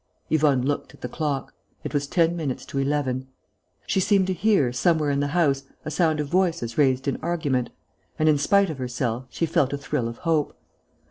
Yvonne looked at the clock. It was ten minutes to eleven. She seemed to hear, somewhere in the house, a sound of voices raised in argument; and, in spite of herself, she felt a thrill of hope.